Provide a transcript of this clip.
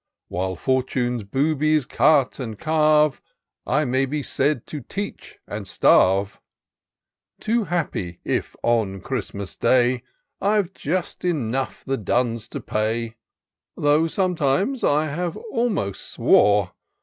While Fortune's boobies cut and carve, I may be said to teach and starve ; Too happy, if, on Christmas day, I've just enough the dims to pay. Though sometimes I have almost swore.